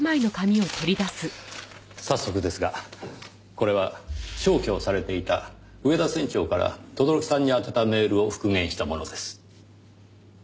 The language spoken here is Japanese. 早速ですがこれは消去されていた上田船長から轟さんに宛てたメールを復元したものです。